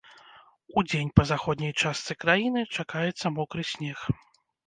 Удзень па заходняй частцы краіны чакаецца мокры снег.